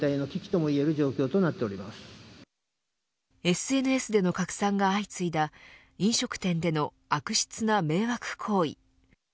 ＳＮＳでの拡散が相次いだ飲食店での悪質な迷惑行為。